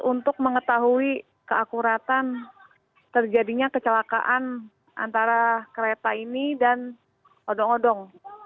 untuk mengetahui keakuratan terjadinya kecelakaan antara kereta ini dan odong odong